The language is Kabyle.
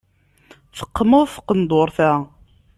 Teqmeḍ tqenduṛt-a.